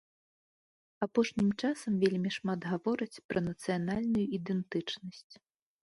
Апошнім часам вельмі шмат гавораць пра нацыянальную ідэнтычнасць.